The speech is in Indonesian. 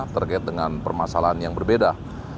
terkait dengan permasalahan yang berbeda